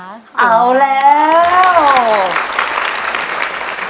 ขอบคุณครับ